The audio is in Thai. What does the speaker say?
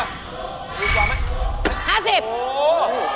รู้จักไหมครับ๕๐บาทครับโอ้โฮโอ้โฮ